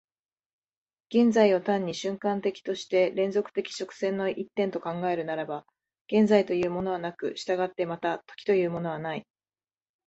現在を単に瞬間的として連続的直線の一点と考えるならば、現在というものはなく、従ってまた時というものはない。